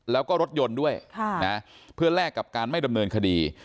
แล้วก็รถยนต์ด้วยเพื่อแลกกับการไม่ดำเนินคดี